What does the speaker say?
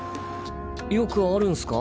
よくあるんスか？